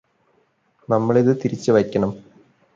നമ്മള് ഇത് തിരിച്ച് വയ്ക്കണം